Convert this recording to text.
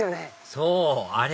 そうあれ！